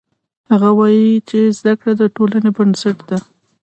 هغه وایي چې زده کړه د ټولنې بنسټ ده